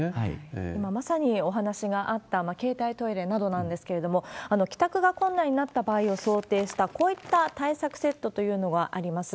今、まさにお話があった携帯トイレなどなんですけれども、帰宅が困難になった場合を想定した、こういった対策セットというのがあります。